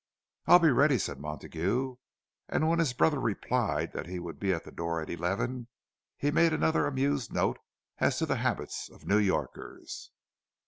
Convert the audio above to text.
"I'll be ready," said Montague; and when his brother replied that he would be at the door at eleven, he made another amused note as to the habits of New Yorkers.